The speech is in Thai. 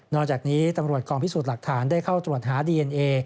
จากนี้ตำรวจกองพิสูจน์หลักฐานได้เข้าตรวจหาดีเอ็นเอ